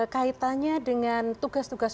kaitannya dengan tugas tugas